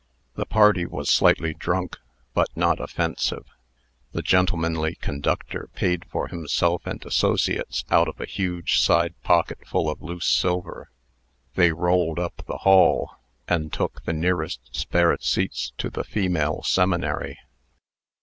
The party was slightly drunk, but not offensive. The gentlemanly conductor paid for himself and associates out of a huge side pocket full of loose silver. They rolled up the hall, and took the nearest spare seats to the female seminary.